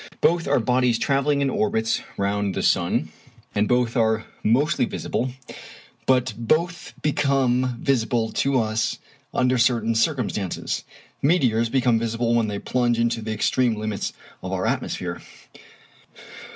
Both are bodies travelling in orbits round the sun, and both are mostly invisible, but both become visible to us under certain circumstances. Meteors become visible when they plunge into the extreme limits of our atmosphere.